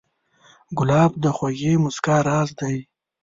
ګلاب د خوږې موسکا راز دی.